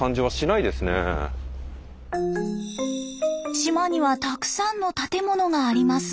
島にはたくさんの建物がありますが。